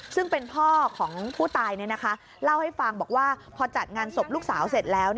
ซึ่งเป็นพ่อของผู้ตายเล่าให้ฟังบอกว่าพอจัดงานศพลูกสาวเสร็จแล้ว